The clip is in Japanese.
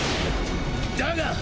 だが！